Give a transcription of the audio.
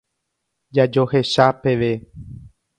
Jajohecha peve.